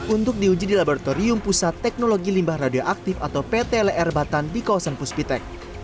untuk diuji di laboratorium pusat teknologi limbah radioaktif atau pt lerbatan di kawasan puspitek